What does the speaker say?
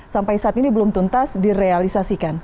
sampai saat ini belum tuntas direalisasikan